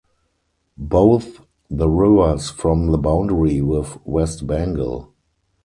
Both the rivers form the boundary with West Bengal.